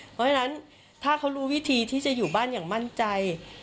เพราะฉะนั้นถ้าเขารู้วิธีที่จะอยู่บ้านอย่างมั่นใจ